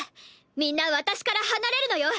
みんな私から離れるのよ！